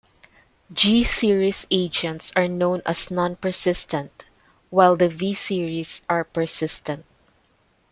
G series agents are known as non-persistent, while the V series are persistent.